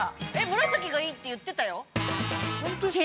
紫がいいって、言ってたよ。